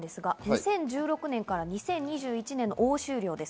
２０１６年から２０２２年の押収量です。